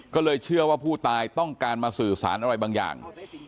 ก็เลยเชื่อว่าผู้ตายต้องการมาสื่อสารอะไรบางอย่าง